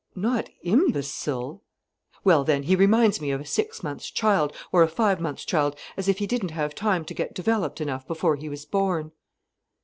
"Not imbecile——" "Well then—he reminds me of a six months' child—or a five months' child—as if he didn't have time to get developed enough before he was born."